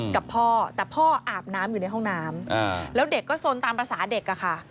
กับพ่อแต่พ่ออาบน้ำอยู่ในห้องน้ำแล้วเด็กก็สนตามภาษาเด็กอะค่ะ